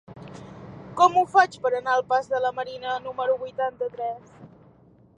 Com ho faig per anar al pas de la Marina número vuitanta-tres?